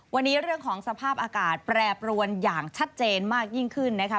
วันนี้เรื่องของสภาพอากาศแปรปรวนอย่างชัดเจนมากยิ่งขึ้นนะคะ